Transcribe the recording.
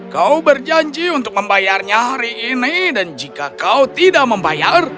kau berjanji untuk membayarnya hari ini dan jika kau tidak membayar